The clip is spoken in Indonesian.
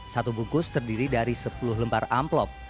satu bungkus terdiri dari sepuluh lembar amplop